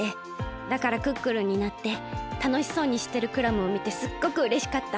だからクックルンになってたのしそうにしてるクラムをみてすっごくうれしかった。